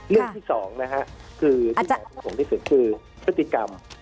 เรื่องที่สองที่สูงที่สุดคือพฤติกรรม